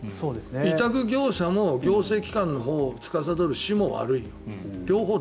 委託業者も行政機関のほうをつかさどる市も悪い。